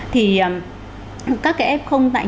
thì các f